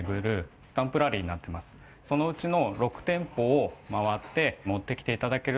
そのうちの。